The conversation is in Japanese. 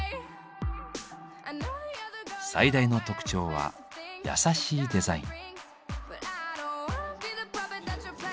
最大の特徴は優しいデザイン。